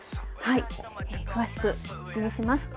詳しく示します。